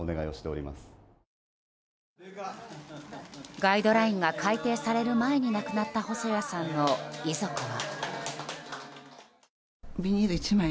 ガイドラインが改訂される前に亡くなった細矢さんの遺族は。